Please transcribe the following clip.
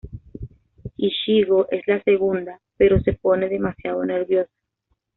Ichigo es la segunda, pero se pone demasiado nerviosa.